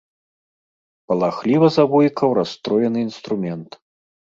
Палахліва завойкаў расстроены інструмент.